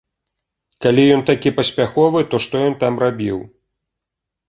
Калі ён такі паспяховы, то што ён там рабіў?